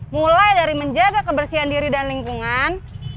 mulai dari menjaga kebersihan diri dan lingkungan